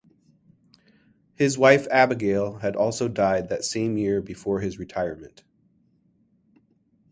His wife Abigail had also died that same year before his retirement.